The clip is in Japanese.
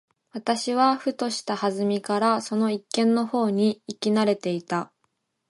私はふとした機会（はずみ）からその一軒の方に行き慣（な）れていた。